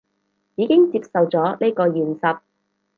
已經接受咗呢個現實